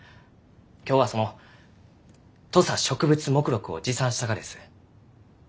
今日はその土佐植物目録を持参したがです。